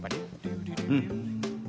うん。